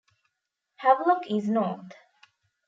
Havelock is north.